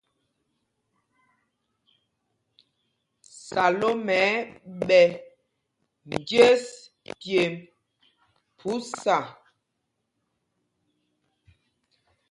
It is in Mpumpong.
Salóma ɛ́ ɛ́ ɓɛ̄ njes pyêmb phúsa.